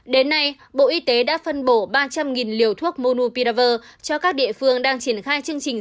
đến nay bộ y tế đã phân bổ ba trăm linh liều thuốc monu piraver cho các địa phương đang triển khai chương trình